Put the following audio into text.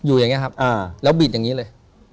ถูกต้องไหมครับถูกต้องไหมครับ